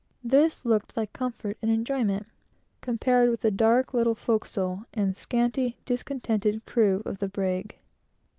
This looked like comfort and enjoyment, compared with the dark little forecastle, and scanty, discontented crew of the brig.